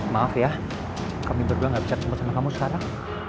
maaf ya kami berdua gak bisa ketemu sama kamu sekarang